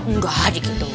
enggak dikit dulu